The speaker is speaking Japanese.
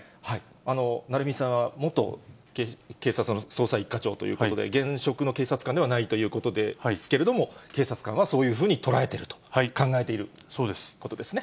鳴海さんは元警察の捜査一課長ということで、現職の警察官ではないということですけれども、警察官はそういうふうに捉えていると考えていることですね。